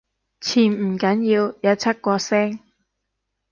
潛唔緊要，有出過聲